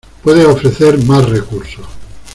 Puedes ofrecer más recursos.